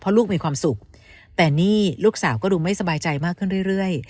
ลูกมีความสุขแต่นี่ลูกสาวก็ดูไม่สบายใจมากขึ้นเรื่อย